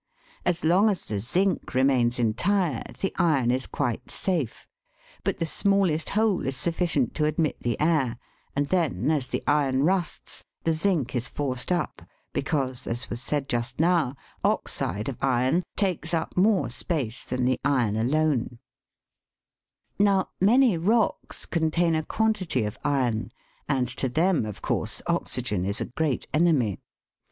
As long as the zinc remains entire, the iron is quite safe, but the smallest hole is sufficient to admit the air, and then, as the iron rusts, the zinc is forced up, because, as was said just now, oxide of iron takes up more space than the iron alone. RUSTED ROCKS. 31 Now, many rocks contain a quantity of iron, and to them, of course, oxygen is a great enemy.